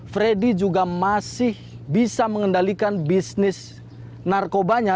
freddy juga masih bisa mengendalikan bisnis narkobanya